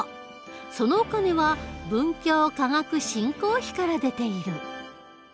そのお金は文教科学振興費から出ている。